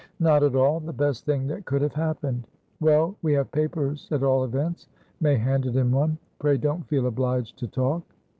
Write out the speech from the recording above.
"Not at all. The best thing that could have happened." "Well, we have papers at all events." May handed him one. "Pray don't feel obliged to talk."